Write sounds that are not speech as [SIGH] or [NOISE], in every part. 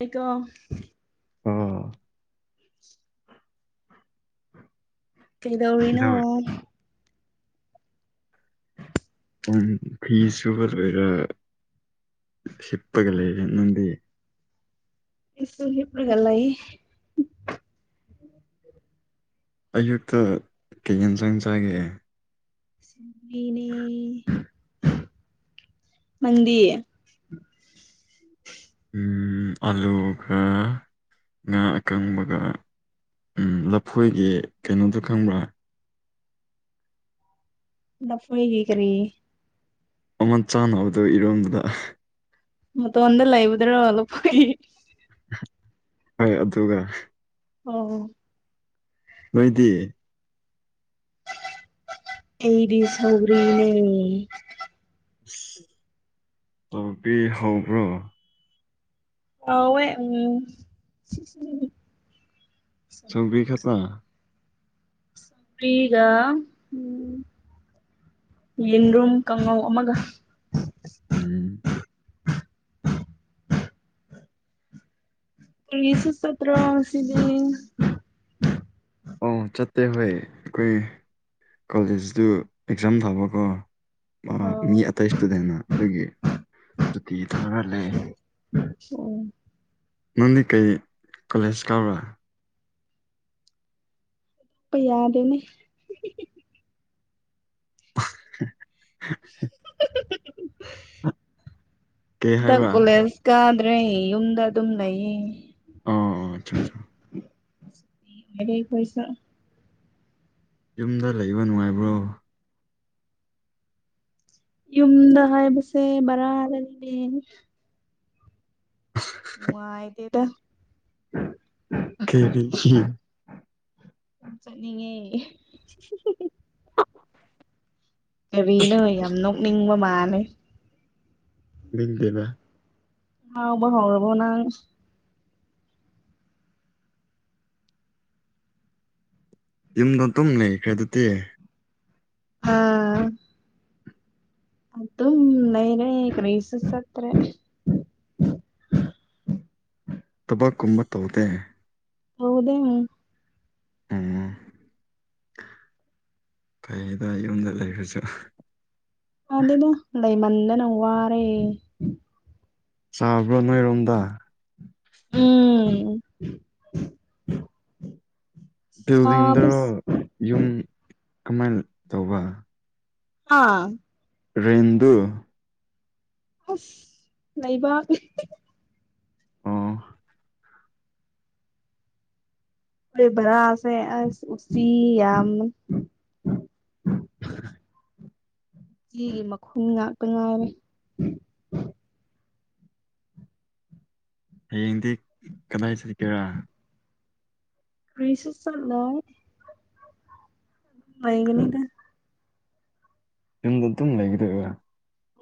ꯑꯩꯀ ꯑꯥ [INAUDIBLE] ꯀꯩꯗꯧꯔꯤꯅꯣ ꯀꯩꯗꯧꯋꯦ ꯎꯝ ꯐꯤꯁꯨꯕ ꯂꯣꯏꯔꯦ ꯁꯤꯤꯄꯒ ꯂꯩꯦ ꯅꯗꯤꯦ ꯁꯨ ꯏꯄꯒꯂꯏ ꯑꯌꯨꯛꯇ ꯀꯩ ꯌꯦꯟ ꯆꯥꯡꯟꯖꯒ ꯁꯤ ꯃꯗꯤꯌꯦ ꯎꯝ ꯑꯂꯨꯒ ꯉꯥ ꯑꯀꯪꯕꯒ ꯎꯝ ꯂꯐꯣꯏꯒꯤ ꯀꯩꯅꯣꯗꯣ ꯈꯪꯕ꯭ꯔꯥ ꯅ ꯐ ꯀ ꯀꯔꯤꯦ ꯑꯃ ꯆꯥꯟꯅꯕꯗꯣ ꯏꯔꯣꯝꯗꯨꯗ ꯃ ꯑꯣꯟꯗ ꯂ ꯏꯕꯗ꯭ꯔꯣ ꯍꯂꯄ ꯍꯣꯏ ꯑꯗꯨꯒ ꯑꯣ ꯃꯣꯏꯗꯤ ꯑꯩꯗꯤ ꯁꯥꯎꯔꯤꯅꯦ ꯑꯁ ꯇꯧꯕꯕꯤ ꯍꯧꯕ꯭ꯔꯣ ꯑꯋꯦ ꯎꯝ ꯁꯪꯕꯤ ꯈꯠꯇ ꯐꯤꯒ ꯎꯝ ꯌꯦꯟꯗꯨꯝ ꯀꯥꯡꯉꯧ ꯑꯃꯒ ꯎꯝ ꯄꯁꯨ ꯄꯠꯇ ꯑꯁꯤꯗꯤ ꯑꯣ ꯆꯠꯇꯦ ꯍꯣꯏ ꯑꯩꯈꯣꯏ ꯀꯣꯂꯦꯖꯇꯨ ꯑꯦꯛꯖꯥꯝ ꯊꯥꯕꯀꯣ ꯑꯣ ꯃꯤ ꯑꯇꯩ ꯏꯁꯇꯨꯗꯦꯟꯅ ꯑꯗꯨꯒꯤ ꯁꯨꯇꯤ ꯊꯥꯔ ꯂꯩ ꯑꯣ ꯅꯪꯗꯤ ꯀꯩ ꯀꯣꯂꯦꯖ ꯀꯕ꯭ꯔꯥ ꯄꯩ ꯌꯥꯗꯅꯦ [INAUDIBLE] ꯀꯩ ꯍꯟꯗꯛ ꯍꯥꯏꯒ ꯀꯣꯂꯦꯖ ꯀꯥꯗ꯭ꯔꯦ ꯌꯨꯝꯗ ꯑꯗꯨꯝ ꯂꯩꯌꯦ ꯑ ꯑ ꯑꯆꯥ ꯑꯆꯥ ꯋꯥꯔꯦ ꯄꯩꯁꯥ ꯌꯨꯝꯗ ꯂꯩꯕ ꯅꯨꯡꯉꯥꯏꯕ꯭ꯔꯣ ꯌꯨꯝꯗ ꯍꯥꯏꯕꯁꯦ ꯕꯔꯔ ꯂꯩꯅꯦ ꯅ ꯑꯥꯏꯗꯦꯗ ꯀꯦꯔꯤ ꯍ ꯅꯤꯡꯉꯦ ꯀꯦꯕꯤꯅ ꯌꯥꯝ ꯅꯣꯛꯅꯤꯡꯕ ꯃꯥꯜꯂꯦ ꯗꯦꯅ ꯑꯕ ꯍꯥꯎꯔꯔꯕꯣ ꯅ ꯌꯨꯝꯗꯣ ꯇꯨꯝ ꯂꯩꯈ꯭ꯔꯦ ꯑꯗꯨꯗꯤ ꯑꯥ ꯑ ꯑꯗꯨ ꯅꯅꯦ ꯀ꯭ꯔꯩꯁꯁ ꯑꯇꯩꯦ ꯇꯕꯥꯥꯛ ꯀꯨꯝꯕ ꯇꯧꯗꯦ ꯍꯧꯗꯦ ꯎ ꯑ ꯀꯩꯗ ꯌꯨꯝꯗ ꯂꯩꯕꯁꯨ ꯑꯗꯅ ꯂꯩ ꯃꯗꯅꯧ ꯋꯥꯔꯦ ꯆꯥꯎꯥꯕ꯭ꯔꯣ ꯅꯣꯏꯔꯣꯝꯗ ꯎꯝ ꯕꯤꯜꯗꯤꯡꯗꯔꯣ ꯁꯥꯕꯁ ꯌꯨꯝ ꯀꯃꯥꯏꯅ ꯇꯧꯕ ꯑꯥ ꯔꯗꯨ ꯑꯁ ꯂꯩꯕꯥꯛ ꯑꯣ ꯦ ꯕꯔꯁꯦ ꯎꯁꯤ ꯌꯥꯝ [UNINTELLIGIBLE] ꯆꯒꯤ ꯃꯈꯨꯝ ꯉꯇ ꯉꯥꯏꯔꯦ ꯍꯌꯦꯡꯗꯤ ꯀꯗꯥꯏ ꯆꯠꯀꯦꯔꯥ ꯀ꯭ꯔꯔꯤꯁꯁꯂ ꯃꯒꯅꯤꯗ ꯌꯨꯝꯗ ꯑꯗꯨꯝ ꯂꯩꯒꯗ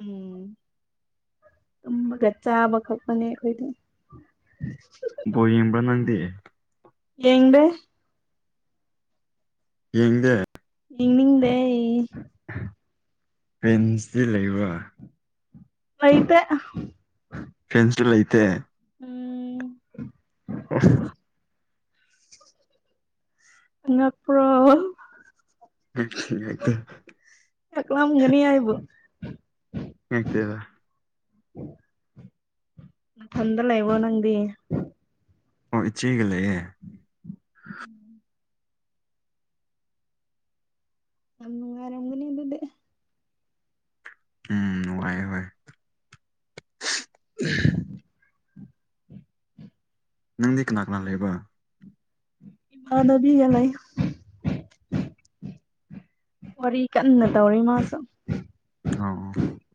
ꯎꯝ ꯇꯨꯝꯃꯒ ꯆꯥꯕ ꯀꯛꯄꯅꯦ ꯑꯩꯈꯣꯏꯗ ꯕꯣ ꯌꯦꯡꯕ꯭ꯔꯥ ꯅꯪꯗꯦ ꯌꯦ ꯌꯦꯡꯗꯦ ꯏꯅꯤꯡꯗꯦ ꯄꯦꯟꯁꯤ ꯂꯩꯕ ꯂꯩꯇ ꯐꯦꯟꯁꯁꯨ ꯂꯩꯇꯦ ꯎꯝ ꯑ ꯑ ꯄꯨ꯭ꯔꯣ ꯉꯛꯇꯦ ꯉꯛꯇꯦ ꯌꯥꯝꯒꯅꯤ ꯍꯥꯏꯕꯣ ꯌꯦꯦ ꯇꯕ ꯎꯝ ꯆꯗ ꯂꯩ ꯏ ꯋꯥ ꯅꯪꯗꯤ ꯑꯣ ꯏꯆꯦꯒ ꯂꯩꯑꯦ ꯑꯃꯉꯔ ꯑꯅꯤ ꯑꯗꯨꯗ ꯎꯝ ꯋꯥꯏ ꯍꯣꯏ ꯎ ꯎ ꯎ ꯅꯪꯗꯤ ꯀꯅꯥ ꯀꯅꯥ ꯂꯩꯕ ꯑ ꯑꯗꯨꯕꯤꯒꯂ ꯋꯥꯔꯤ ꯀꯟꯅ ꯇꯧꯔꯤ ꯃꯥꯁꯨ ꯑ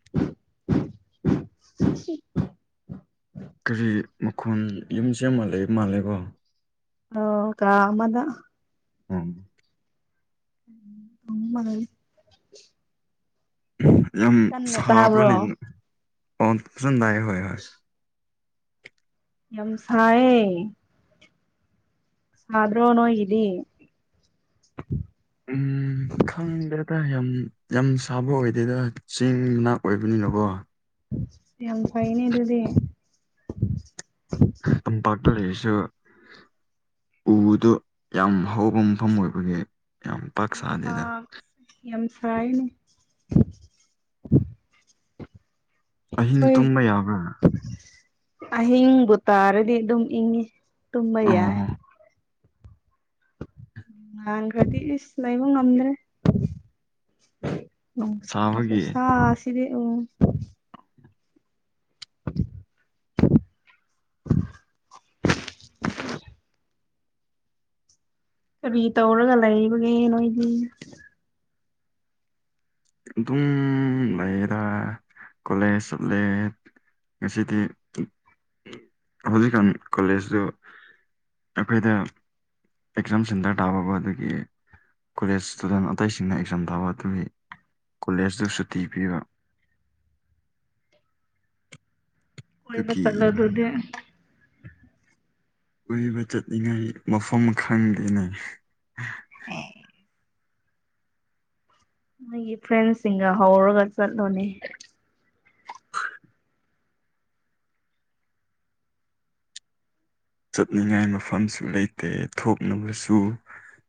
[UNINTELLIGIBLE] ꯀꯔꯤ ꯃꯈꯣꯟ ꯌꯨꯝꯁꯤ ꯑꯃ ꯂꯩꯕ ꯃꯥꯜꯂꯦꯕꯣ ꯑꯣ ꯀꯃꯗ ꯎꯝ ꯎꯝꯃꯒꯜ ꯌꯥꯝ ꯁ ꯇꯥꯕ꯭ꯔꯣ ꯄ꯭ꯔ꯭ꯔꯁ ꯗꯏ ꯍ ꯍ ꯌꯁꯥꯌꯦ ꯑ꯭ꯔꯣꯅꯣ ꯏꯗꯤ ꯎꯝ ꯈꯪꯗꯦꯗ ꯌꯥꯝ ꯌꯥꯝ ꯁꯥꯕ ꯑꯣꯏꯗꯦꯗ ꯆꯦꯡ ꯃꯅꯥꯛ ꯑꯣꯏꯕꯅꯤ ꯅꯕꯣ ꯌꯥꯝ ꯐꯥꯏꯩꯅꯔꯗꯤꯦ ꯎꯗꯣ ꯌꯥꯝ ꯍꯥꯎꯕ ꯃꯐꯝ ꯑꯣꯏꯕꯒꯤ ꯌꯥꯝ ꯄꯥꯛ ꯁꯥꯗꯦꯗ [UNINTELLIGIBLE] ꯍꯥꯏꯅꯤ ꯑꯍꯤꯡ ꯇꯨꯝꯕ ꯌꯥꯕ ꯑꯍꯤꯡꯕꯨ ꯇꯥꯔꯗꯤ ꯑꯗꯨꯝ ꯏꯪꯉꯤ ꯇꯨꯝꯕ ꯌꯥꯏ ꯑꯣ ꯉꯥꯟꯈ꯭ꯔꯗꯤ ꯏꯁ ꯂꯩꯕ ꯉꯝꯗ꯭ꯔꯦ ꯎꯝ ꯁꯥꯕꯒꯤ ꯁꯥꯁꯤꯗꯤꯦ ꯎ ꯀꯔꯤ ꯇꯧꯔꯒ ꯂꯩꯕꯒꯦ ꯅꯣꯏꯗꯤ ꯑꯗꯨꯝ ꯂꯩꯔ ꯀꯂꯦꯖ ꯁꯂꯦꯖ ꯉꯁꯤꯗꯤ ꯍꯧꯖꯤꯛꯀꯥꯟ ꯀꯣꯂꯦꯖꯇ ꯑꯩꯈꯣꯏꯗ ꯑꯦꯛꯖꯥꯝ ꯁꯦꯟꯇꯔ ꯇꯥꯕꯕꯨ ꯑꯗꯨꯒꯤ ꯀꯣꯂꯦꯖ ꯏꯁꯇꯨꯗꯦꯟ ꯑꯇꯩꯁꯤꯡꯅ ꯑꯦꯛꯖꯥꯝ ꯊꯥꯕ ꯑꯗꯨꯒꯤ ꯀꯣꯂꯦꯖꯇꯁꯨ ꯊꯤ ꯄꯤꯕ ꯑꯗꯨꯒꯤ ꯀꯣꯏꯃꯂ ꯑꯗꯨꯗꯤ ꯀꯏꯕ ꯆꯠꯂꯤꯉꯥꯏ ꯃꯐꯝ ꯈꯪꯗꯦꯅꯦ ꯑꯣ ꯅꯣꯏꯒꯤ ꯐ꯭ꯔꯦꯟꯁꯤꯡꯒ ꯍꯧꯔꯒ ꯆꯠꯂꯣꯅꯦ ꯆꯠꯅꯤꯡꯉꯥꯏ ꯃꯐꯝꯁꯨ ꯂꯩꯇꯦ ꯊꯣꯛꯅꯕꯁꯨ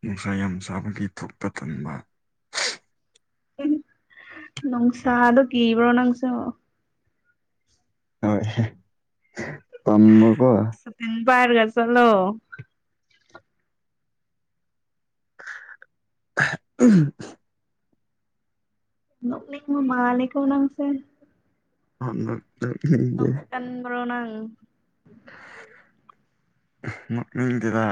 ꯅꯨꯡꯁꯥ ꯌꯥꯝ ꯆꯥꯕꯒꯤ ꯊꯇ ꯊꯟꯕ ꯅꯅꯨꯡꯣꯡꯁ ꯑ ꯑꯗꯨ ꯀ ꯏꯕ꯭ꯔꯣ ꯅꯪꯁ ꯍꯣꯏ ꯇꯝꯕ ꯀꯣ ꯔꯒ ꯆꯂꯣ ꯎꯝ ꯅꯃ ꯃꯥ ꯂꯩ ꯀꯣꯅꯥꯝꯁꯦ ꯑꯗ ꯅ ꯀꯟ꯭ꯔꯣꯅ ꯃ ꯏꯗꯗ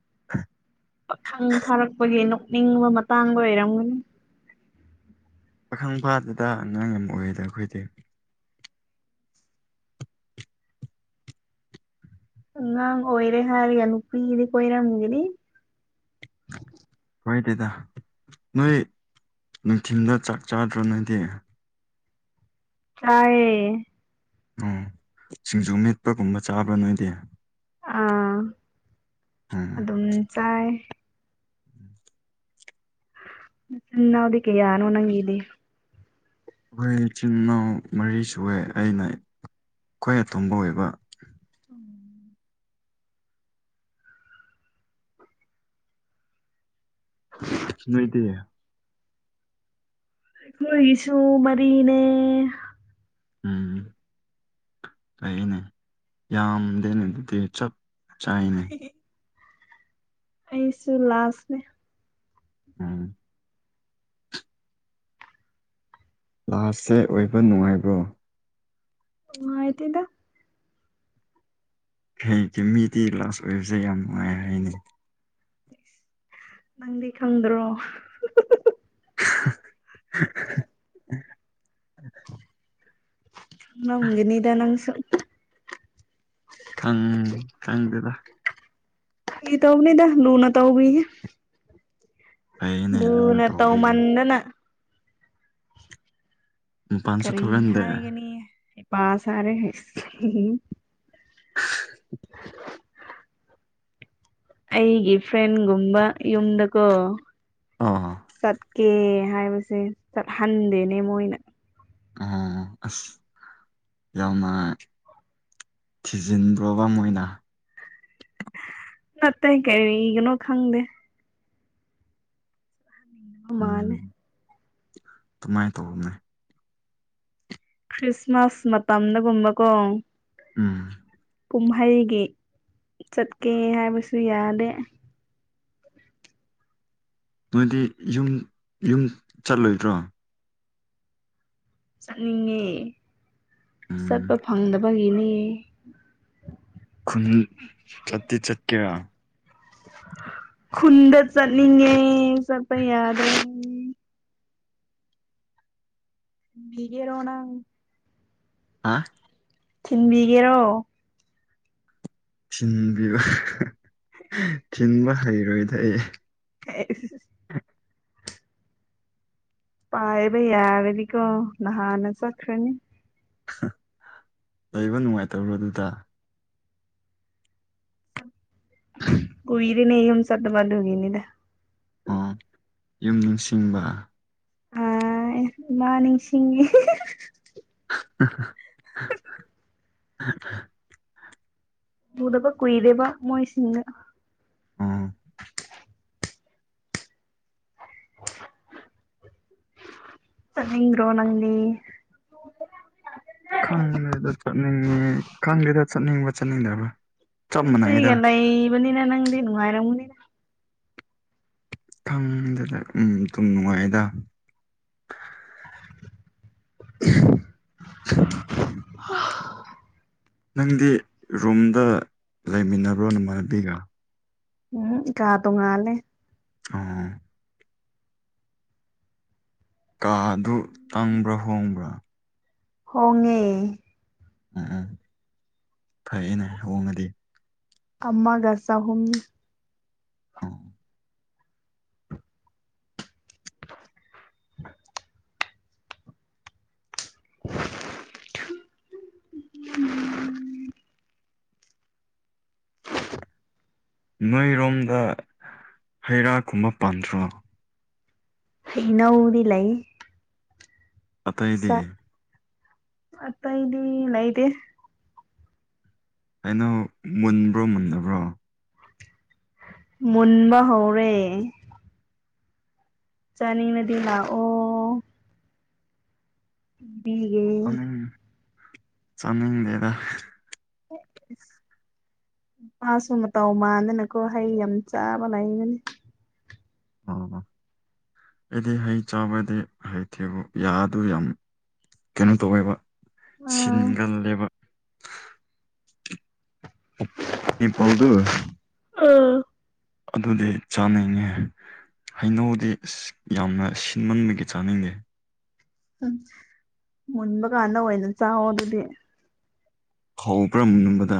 [INAUDIBLE] ꯄꯥꯈꯪ ꯐꯥꯔꯛꯄꯒꯤ ꯅꯣꯛꯅꯤꯡꯕ ꯃꯇꯥꯡꯗ ꯑꯣꯏꯔꯝꯒꯅꯤ ꯄꯥꯈꯪ ꯐꯥꯗꯨꯗ ꯑꯉꯥꯡ ꯑꯃ ꯑꯣꯏꯔꯤꯗ ꯑꯩꯈꯣꯏꯗꯤ ꯑꯥꯡ ꯑꯣꯏꯔꯦ ꯍꯥꯏꯔꯒ ꯅꯨꯄꯤꯒꯤꯗꯤ ꯀꯣꯏꯔꯝꯒꯤꯗꯤ ꯍꯣꯏ ꯗꯦꯗ ꯅꯣꯏ ꯅꯨꯡꯊꯤꯤꯟꯗ ꯆꯥꯛ ꯆꯥꯗ꯭ꯔꯣ ꯅꯣꯏꯗꯤ ꯇꯌꯦ ꯑꯣ ꯁꯤꯡꯖꯨ ꯃꯠꯄꯒꯨꯝꯕ ꯆꯥꯕ꯭ꯔꯥ ꯅꯣꯏꯗꯤ ꯑꯥ ꯎꯝ ꯑꯗꯨꯝ ꯆꯥꯏ ꯆꯎꯗ ꯀꯦꯌꯥ ꯅ ꯑꯣꯅꯪꯗꯤ ꯑꯩꯈꯣꯏ ꯏꯆꯤꯜ ꯏꯅꯥꯎ ꯃꯔꯤ ꯁꯑꯦ ꯑꯩꯅ ꯈ꯭ꯋꯥꯏ ꯑꯇꯣꯝꯕ ꯑꯣꯏꯕ ꯉꯣꯏꯇ ꯑꯩꯣꯏꯁꯨ ꯃꯔꯤꯅꯦ ꯎꯝ ꯀꯩꯅꯦ ꯌꯥꯝꯗꯦꯅꯦ ꯑꯗꯨꯗꯤ ꯆꯞ ꯆꯥꯏꯅꯥ ꯑꯩꯁꯨ ꯂꯥꯁꯅꯦ ꯎꯝ ꯂꯥꯁꯁꯦ ꯑꯣꯏꯕ ꯅꯨꯡꯉꯥꯏꯕ꯭ꯔꯣ ꯃꯥꯥꯏꯇꯗ ꯀꯩ ꯃꯤꯗꯤ ꯂꯥꯁ ꯑꯣꯏꯕꯁꯦ ꯌꯥꯝ ꯅꯨꯡꯉꯥꯏ ꯍꯥꯏꯅꯦ ꯅꯪꯗꯤ ꯈꯪꯗ꯭ꯔꯣ [UNINTELLIGIBLE] ꯅꯪꯒꯅꯤꯗ ꯅꯪꯁꯨ ꯈꯪ ꯈꯪꯗꯦꯗ ꯀ ꯇꯧꯕꯅꯤꯗ ꯂꯨꯅ ꯇꯧꯕꯦ ꯐꯩꯅꯦ ꯂꯨꯅ ꯂꯅ ꯇꯧꯕꯤꯕꯅꯦ ꯇꯧꯃꯗꯅ ꯃꯄꯥꯟꯁꯨ ꯀꯔꯤ ꯊꯣꯛꯍꯟꯗꯦ ꯍꯥꯏꯒꯅꯤ ꯄ ꯁꯔꯦ [INAUDIBLE] ꯑꯩꯒꯤ ꯐ꯭ꯔꯦꯟꯒꯨꯝꯕ ꯌꯨꯝꯗꯀꯣ ꯑꯥ ꯆꯠꯀꯦ ꯍꯥꯏꯕꯁꯦ ꯆꯠ ꯍꯟꯗꯦꯅꯦ ꯃꯣꯏꯅ ꯑꯥ ꯑꯁ ꯌꯥꯝꯃ ꯊꯤꯖꯤꯟꯕ꯭ꯔꯣꯕ ꯃꯣꯏꯅ ꯅꯠꯇꯦ ꯀꯔꯤꯒꯤꯅꯣ ꯈꯪꯗꯦ ꯍꯨꯃꯥꯜꯂꯦ ꯇꯨꯃꯥꯏ ꯇꯧꯔꯣꯅꯦ ꯈ꯭ꯔꯤꯁꯃꯥꯁ ꯃꯇꯝꯗꯒꯨꯝꯕꯀꯣ ꯎꯝ ꯀꯨꯝꯍꯩꯒꯤ ꯆꯠꯀꯦ ꯍꯥꯏꯕꯁꯨ ꯌꯥꯗꯦ ꯅꯣꯏꯗꯤ ꯌꯨꯝ ꯌꯨꯝ ꯆꯠꯂꯣꯏꯗ꯭ꯔꯣ ꯆꯠꯅꯤꯡꯉꯦ ꯆꯠꯄ ꯎꯝ ꯐꯪꯗꯕꯒꯤꯅꯦ ꯎꯝ ꯆꯠꯇꯤ ꯆꯠꯀꯦꯔꯥ ꯈꯨꯟꯗ ꯆꯠꯅꯤꯡꯉꯦ ꯆꯠꯄ ꯌꯥꯗ꯭ꯔꯕꯅꯦ ꯊꯤꯟꯕꯤꯒꯦꯔꯣ ꯅꯪ ꯑꯥ ꯊꯤꯟꯕꯤꯒꯦꯔꯣ ꯊꯤꯟꯕꯤꯕ ꯊꯤꯟꯕ ꯍꯩꯔꯣꯏꯗꯥ ꯑꯩ ꯄꯥꯏꯕ ꯌꯥꯔꯗꯤꯀꯣ ꯅꯍꯥꯟꯅ ꯆꯠꯈ꯭ꯔꯅꯤ ꯍ ꯍ ꯂꯩꯕ ꯅꯨꯡꯉꯥꯏꯇꯕ꯭ꯔꯣ ꯑꯗꯨꯗ [UNINTELLIGIBLE] [INAUDIBLE] ꯔꯤꯃꯦ ꯌꯨꯝ ꯆꯠꯇꯕ ꯑꯗꯨꯒꯤꯅꯤꯗ ꯑꯥ ꯌꯨꯝ ꯅꯤꯡꯁꯤꯡꯕ ꯑꯥ ꯃꯥ ꯅꯤꯁꯤꯡꯉꯦ ꯍꯦ ꯍꯥ ꯍꯥ ꯍꯥ ꯑꯍ ꯍ ꯍ ꯍ ꯎꯗꯕ ꯀꯨꯏꯔꯦꯕ ꯃꯣꯏ ꯁꯤꯡꯅ ꯑꯣ [INAUDIBLE] ꯆꯠꯅꯤꯡꯗ꯭ꯔꯣ ꯅꯪꯗꯤ ꯈꯪꯗꯦꯗ ꯆꯠꯅꯤꯡꯉꯤ ꯈꯪꯗꯦꯗ ꯆꯠꯅꯤꯡꯕ ꯆꯠꯅꯤꯡꯗ꯭ꯔꯕ ꯅꯨꯄꯤꯒ ꯂꯩꯕꯅꯤꯅ ꯅꯪꯗꯤ ꯅꯨꯡꯉꯥꯏꯔꯝꯒꯅꯤꯗ ꯈꯪꯗꯦꯗ ꯎꯝ ꯑꯗꯨꯨꯝ ꯅꯨꯡꯉꯥꯏꯗ [UNINTELLIGIBLE] ꯅꯪꯗꯤ ꯔꯨꯝꯗ ꯂꯩꯃꯤꯟꯅꯕ꯭ꯔꯣ ꯅꯃꯥꯟꯅꯕꯤꯒ ꯎꯝ ꯀꯥ ꯇꯣꯡꯉꯥꯜꯂꯦ ꯑꯣ ꯀꯥꯗꯨ ꯇꯥꯡꯕ꯭ꯔꯥ ꯍꯣꯡꯕ꯭ꯔꯥ ꯍꯣꯡꯉꯦ ꯎꯝ ꯎꯝ ꯐꯩꯅꯦ ꯍꯣꯡꯉꯗꯤ ꯑꯃꯒ ꯆꯍꯨꯝ ꯑꯣ [UNINTELLIGIBLE] ꯎꯝ ꯅꯣꯏꯔꯣꯝꯗ ꯍꯩꯔꯥ ꯀꯨꯝꯕ ꯄꯥꯟꯗ꯭ꯔꯣ ꯍꯩꯅꯧꯗꯤ ꯂꯩ ꯑꯇꯩꯩꯗꯤ ꯆꯥꯛ ꯑꯇꯩꯗꯤ ꯂꯩꯇꯦ ꯀꯩꯅꯣ ꯃꯨꯟꯕ꯭ꯔꯣ ꯃꯨꯟꯗꯕ꯭ꯔꯣ ꯃꯨꯟꯕ ꯍꯧꯔꯦ ꯆꯥꯅꯤꯡꯅꯗꯤ ꯂꯥꯛꯑꯣ ꯎꯝ ꯆꯃꯤ ꯗꯦꯗ ꯑꯦ ꯅꯨꯄꯥꯁꯨ ꯃꯇꯥꯎ ꯃꯥꯟꯗꯅꯀꯣ ꯍꯩ ꯌꯥꯝ ꯆꯥꯕ ꯂꯩꯕꯅꯤ ꯑ ꯑꯩꯗꯤ ꯍꯩ ꯆꯥꯕꯗꯤ ꯍꯩꯇꯦꯕꯨ ꯌꯥꯗꯨ ꯌꯥꯝ ꯀꯩꯅꯣ ꯇꯧꯋꯦꯕ ꯑꯥ ꯁꯤꯟꯒꯜꯂꯦꯕ ꯃꯤ ꯄꯜꯗꯨ ꯑꯥ ꯑꯗꯨꯗꯤ ꯆꯥꯅꯤꯡꯉꯤ ꯍꯩꯅꯧꯗꯤ ꯌꯥꯝꯅ ꯁꯤꯟꯃꯟꯕꯒꯤ ꯆꯥꯅꯤꯡꯗꯦ ꯎꯝ ꯃꯨꯟꯕ ꯀꯥꯟꯗ ꯑꯣꯏꯅ ꯆꯥꯛꯣ ꯑꯗꯨꯗꯤ ꯍꯧꯕ꯭ꯔ ꯃꯨꯕꯗ